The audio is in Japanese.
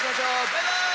バイバーイ。